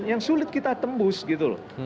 yang sulit kita tembus gitu loh